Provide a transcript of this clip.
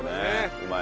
うまい。